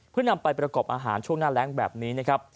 เพื่อนำไปประกอบอาหารช่วงหน้าแรงแบบนี้นะครับ